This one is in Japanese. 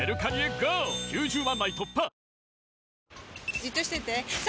じっとしてて３！